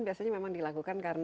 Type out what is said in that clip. biasanya memang dilakukan